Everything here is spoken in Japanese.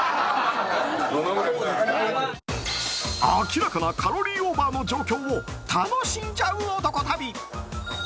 明らかなカロリーオーバーの状況も楽しんじゃう男旅。